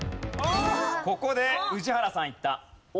ここで宇治原さんいった。